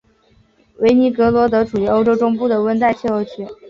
韦尼格罗德处于欧洲中部的温带气候区。